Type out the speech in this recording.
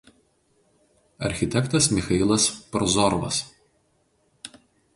Architektas Michailas Prozorovas.